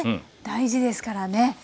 大事ですからね。